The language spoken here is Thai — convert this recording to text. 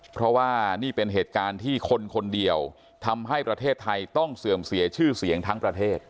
เพราะว่านี่เป็นเหตุการณ์ที่คนคนเดียวทำให้ประเทศไทยต้องเสื่อมเสียชื่อเสียงทั้งประเทศ